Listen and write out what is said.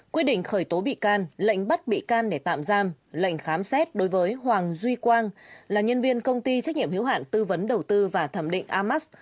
quyết định khởi tố bị can lệnh bắt bị can để tạm giam lệnh khám xét đối với hoàng duy quang là nhân viên công ty trách nhiệm hiếu hạn tư vấn đầu tư và thẩm định amas